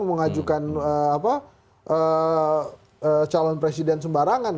mengajukan calon presiden sembarangan